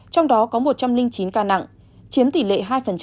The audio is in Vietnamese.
trong đó có một trăm linh chín ca nặng chiếm tỷ lệ hai